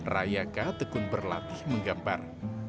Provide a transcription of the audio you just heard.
rayaka tekun berlatih menggambar